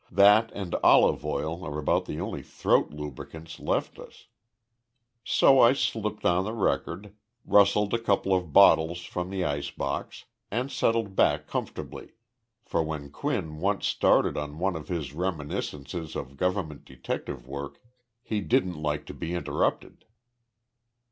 That and olive oil are about the only throat lubricants left us." So I slipped on the record, rustled a couple of bottles from the ice box, and settled back comfortably, for when Quinn once started on one of his reminiscences of government detective work he didn't like to be interrupted.